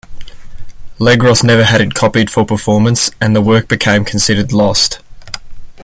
Legros never had it copied for performance, and the work became considered "lost".